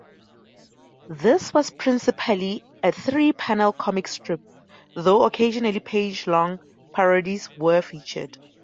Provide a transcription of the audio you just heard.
This was principally a three-panel comic strip, though occasionally page-long parodies were featured.